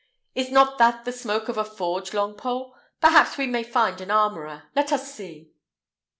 Is not that the smoke of a forge, Longpole? Perhaps we may find an armourer. Let us see."